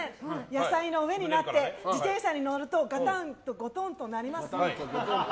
野菜の上になって自転車に乗るとガタンゴトンとなりますね。